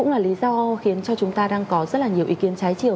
và lý do khiến cho chúng ta đang có rất là nhiều ý kiến trái chiều